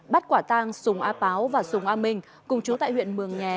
bắt quả tang sùng a páo và sùng a minh cùng chú tại huyện mường nhé